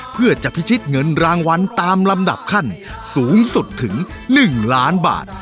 เพื่อจะพิชิตเงินรางวัลตามลำดับขั้นสูงสุดถึง๑ล้านบาท